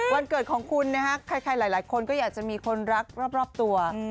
วันเกิดของคุณนะฮะใครหลายคนก็อยากจะมีคนรักรอบตัว